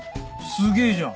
すげえじゃん。